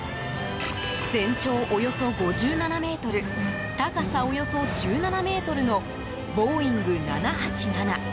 全長およそ５７ｍ高さおよそ１７ｍのボーイング７８７。